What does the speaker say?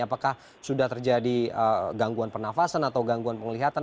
apakah sudah terjadi gangguan pernafasan atau gangguan penglihatan